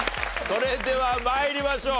それでは参りましょう。